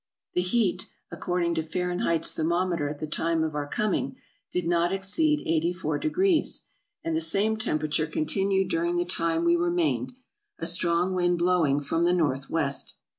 The heat, according to Fahren heit's thermometer at the time of our coming, did not exceed eighty four degrees ; and the same temperature con tinued during the time we remained, a strong wind blow ing from the north west.